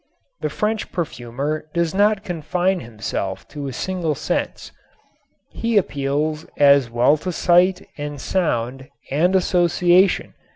The French perfumer does not confine himself to a single sense. He appeals as well to sight and sound and association.